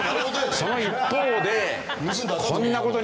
その一方で。